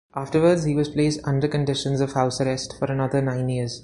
Afterwards, he was placed under conditions of house arrest for another nine years.